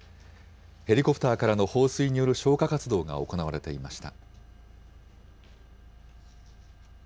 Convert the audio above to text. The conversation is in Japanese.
ヘリコプターからの放水による消火活動が行われていました。